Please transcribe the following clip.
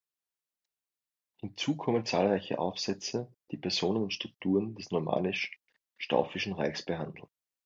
Hinzu kommen zahlreiche Aufsätze, die Personen und Strukturen des normannisch-staufischen Reichs behandeln.